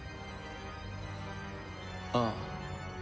ああ。